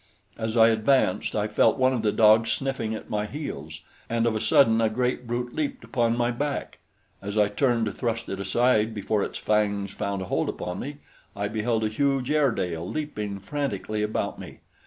As I advanced I felt one of the dogs sniffing at my heels, and of a sudden a great brute leaped upon my back. As I turned to thrust it aside before its fangs found a hold upon me, I beheld a huge Airedale leaping frantically about me.